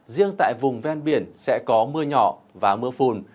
riêng tại vùng ven biển sẽ có mưa nhỏ và mưa phùn